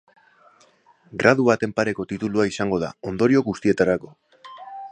Gradu baten pareko titulua izango da ondorio guztietarako.